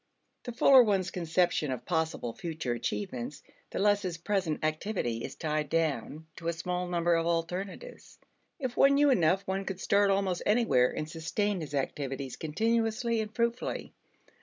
The fuller one's conception of possible future achievements, the less his present activity is tied down to a small number of alternatives. If one knew enough, one could start almost anywhere and sustain his activities continuously and fruitfully.